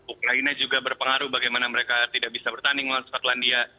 ukraina juga berpengaruh bagaimana mereka tidak bisa bertanding melawan skotlandia